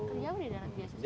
kerja apa di darat biasanya